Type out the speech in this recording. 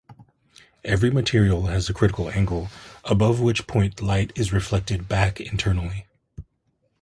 Every material has a critical angle, above which point light is reflected back internally.